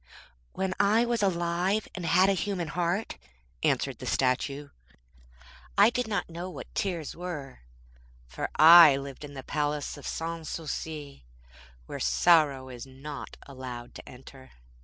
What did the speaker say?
'When I was alive and had a human heart,' answered the statue, 'I did not know what tears were, for I lived in the Palace of Sans Souci where sorrow is not allowed to enter.